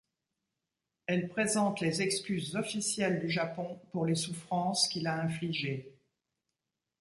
Elle présente les excuses officielles du Japon pour les souffrances qu'il a infligées.